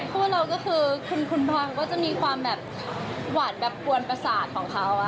พวกเราก็คือคุณพลังก็จะมีความแบบหวานแบบกวนประสาทของเขา